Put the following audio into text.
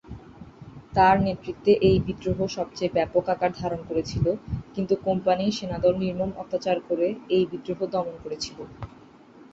তার নেতৃত্বে এই বিদ্রোহ সবচেয়ে ব্যাপক আকার ধারণ করেছিল, কিন্তু কোম্পানির সেনাদল নির্মম অত্যাচার করে এই বিদ্রোহ দমন করেছিল।